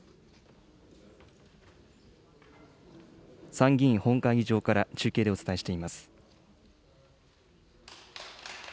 参議院本会議場から中継でお伝えしています。